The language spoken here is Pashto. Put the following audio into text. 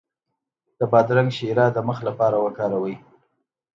د بادرنګ شیره د مخ لپاره وکاروئ